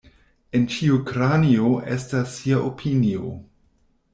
En ĉiu kranio estas sia opinio.